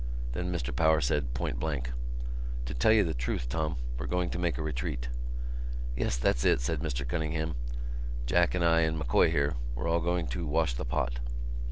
Then Mr Power said, point blank: "To tell you the truth, Tom, we're going to make a retreat." "Yes, that's it," said Mr Cunningham, "Jack and I and M'Coy here—we're all going to wash the pot."